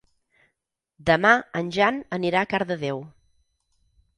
Demà en Jan anirà a Cardedeu.